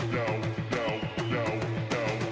ช่วงชั้นไปกัน